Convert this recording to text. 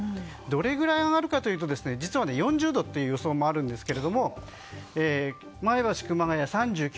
どれくらい上がるかというと実は４０度という予想もあるんですけれども前橋、熊谷は３９度。